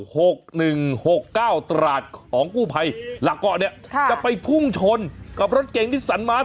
หกหนึ่งหกเก้าตราดของกู้ภัยหลักเกาะเนี่ยค่ะจะไปพุ่งชนกับรถเก่งที่สันมา